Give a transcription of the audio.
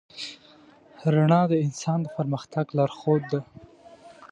رڼا د انسان د پرمختګ لارښود ده.